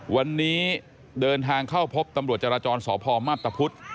วันนี้เดินทางเข้าพบตำรวจจราจรสพมับตะพุทธ